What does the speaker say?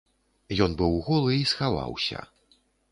Ён быў голы і схаваўся.